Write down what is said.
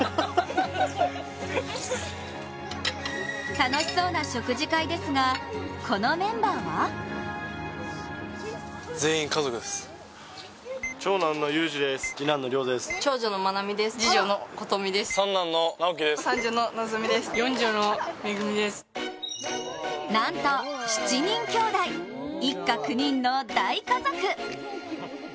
楽しそうな食事会ですが、このメンバーはなんと７人きょうだい、一家９人の大家族。